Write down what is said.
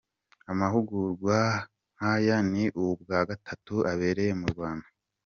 Amahugurwa nk’aya ni ubwa gatatu abereye mu Rwanda.